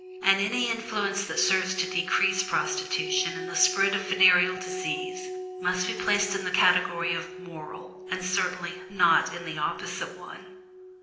And any influence that serves to decrease prostitution and the spread of venereal disease, must be placed in the category of "moral," and certainly not in the opposite one.